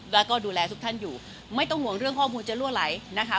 แล้วก็ดูแลทุกท่านอยู่ไม่ต้องห่วงเรื่องข้อมูลจะรั่วไหลนะคะ